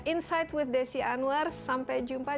insight with desi anwar sampai jumpa